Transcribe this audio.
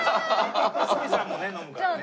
鷲見さんもね飲むからね。